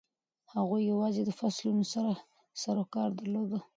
هغوی یوازې د فصلونو سره سروکار درلود.